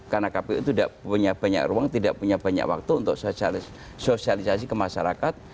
karena kpu itu tidak punya banyak ruang tidak punya banyak waktu untuk sosialisasi ke masyarakat